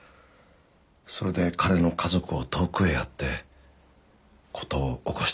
それで彼の家族を遠くへやって事を起こしたんです。